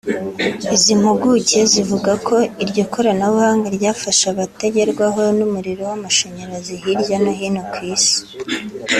Izi mpuguke zivuga ko iryo koranabuhanga ryafasha abatagerwaho n’umuriro w’amashanyarazi hirya no hino ku Isi